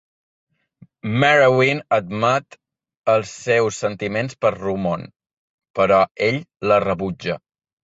Merewyn admet els seus sentiments per Rumon, però ell la rebutja.